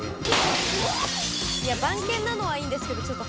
番犬なのはいいんですけど。